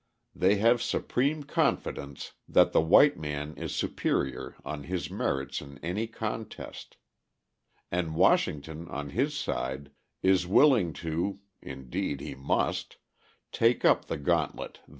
They have supreme confidence that the white man is superior on his merits in any contest; and Washington, on his side, is willing to (indeed, he must) take up the gauntlet thus thrown down.